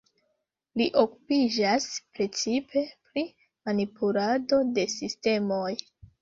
Li okupiĝas precipe pri manipulado de sistemoj.